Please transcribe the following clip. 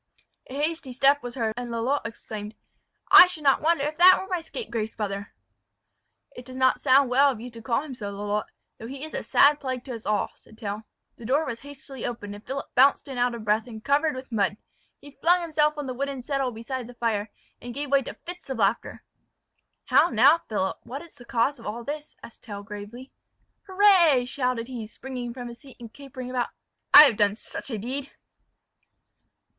A hasty step was heard; and Lalotte exclaimed, "I should not wonder if that were my scrapegrace brother!" "It does not sound well of you to call him so, Lalotte, though he is a sad plague to us all," said Tell. The door was hastily opened, and Philip bounced in out of breath, and covered with mud. He flung himself on a wooden settle beside the fire, and gave way to fits of laughter. "How now, Philip! what is the cause of all this?" asked Tell gravely. "Hurrah!" shouted he, springing from his seat, and capering about, "I have done such a deed!"